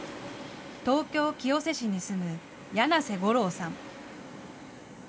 東京・清瀬市に住む柳瀬ゴローさん。